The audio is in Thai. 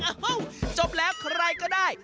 เอ้าจบแล้วใครก็ได้